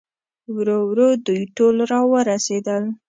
ورو ورو دوی ټول راورسېدل.